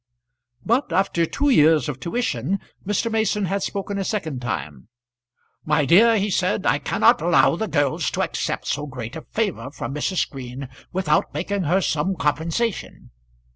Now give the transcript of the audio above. But after two years of tuition Mr. Mason had spoken a second time. "My dear," he said, "I cannot allow the girls to accept so great a favour from Mrs. Green without making her some compensation."